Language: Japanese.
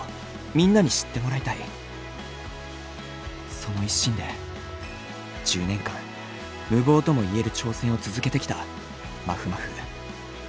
その一心で１０年間無謀とも言える挑戦を続けてきたまふまふ。